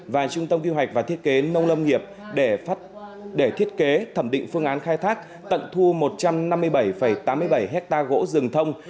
và trung tâm quy hoạch và thiết kế nông lâm nghiệp để thiết kế thẩm định phương án khai thác tận thu một trăm năm mươi bảy tám mươi bảy hectare gỗ rừng thông